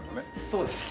そうですね。